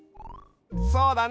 そうだね。